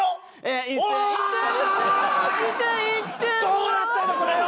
どうなってんだこれよ！